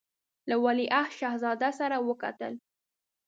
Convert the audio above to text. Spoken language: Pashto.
له ولیعهد شهزاده سره وکتل.